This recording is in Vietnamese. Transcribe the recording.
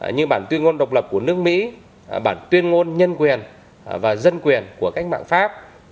như bản tuyên ngôn độc lập của nước mỹ bản tuyên ngôn nhân quyền và dân quyền của cách mạng pháp